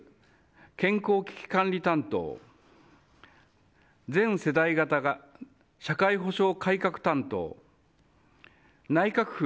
健康危機管理担当全世代型社会保障型改革担当内閣府